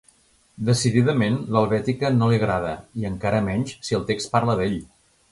Decididament, l'helvètica no li agrada, i encara menys si el text parla d'ell.